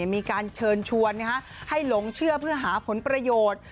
มีการเชิญชวนให้หลงเชื่อเพื่อหาผลประโยชน์